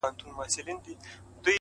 دا غمى اوس له بــازاره دى لوېـدلى،